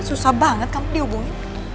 susah banget kamu dihubungi